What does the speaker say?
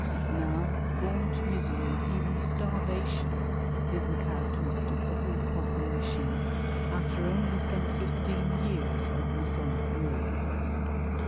Now, gaunt misery, even starvation, is the characteristic of these populations, after only some fifteen years of Masonic rule.